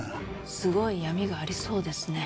すごい闇がありそうですね。